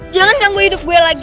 jangan ganggu hidup gue lagi